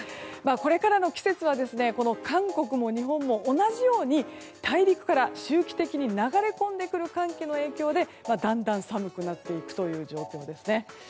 これからの季節は韓国も日本も同じように大陸から周期的に流れ込んでくる寒気の影響でだんだん、寒くなっていくという状況ですね。